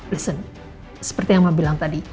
listen seperti yang mama bilang tadi